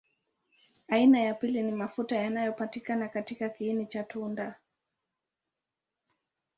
Aina ya pili ni mafuta yanapatikana katika kiini cha tunda.